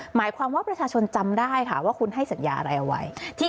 หมายความว่าประชาชนจำได้ค่ะว่าคุณให้สัญญาอะไรเอาไว้